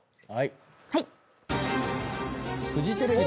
はい！